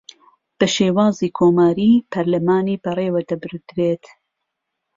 بە شێوازی کۆماریی پەرلەمانی بەڕێوەدەبردرێت